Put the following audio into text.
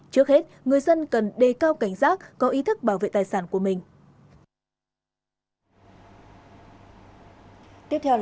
trước hết người dân cần đề cao cảnh giác có ý thức bảo vệ tài sản của mình